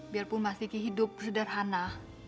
biarpun mah riki hidup sederhana